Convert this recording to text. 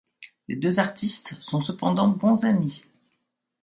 Les deux artistes sont cependant bons amis.